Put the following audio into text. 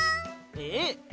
えっ？